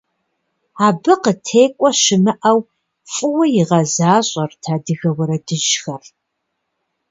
Абы къытекӀуэ щымыӀэу фӀыуэ игъэзащӀэрт адыгэ уэрэдыжьхэр.